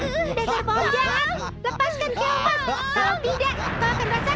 besar pohon jack lepaskan keomas kalau tidak kau akan merasakan akibatnya